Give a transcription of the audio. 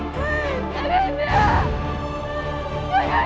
kak kandia bangun